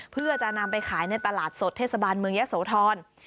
เพื่อจะนำไปขายในตลาดสดเทศบาลเมืองยะโสธร